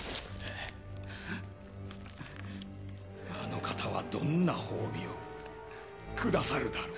あの方はどんな褒美をくださるだろう？